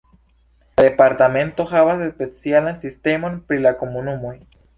La departemento havas specialan sistemon pri la komunumoj.